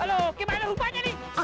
aduh gimana rupanya nih